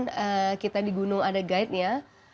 karena walaupun kita di gunung ada guide nya